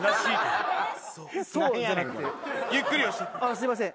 すいません。